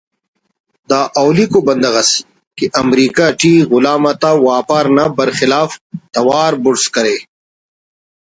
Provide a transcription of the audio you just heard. دا اولیکو بندغ ئس کہ امریکہ ٹی غلام آتا واپار نا برخلاف توار بڑز کرے